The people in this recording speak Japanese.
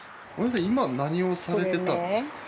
今何をされてたんですか？